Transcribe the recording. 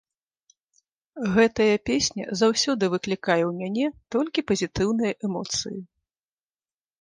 Гэтая песня заўсёды выклікае ў мяне толькі пазітыўныя эмоцыі.